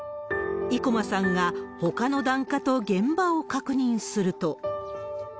生駒さんがほかの檀家と現場を確認すると。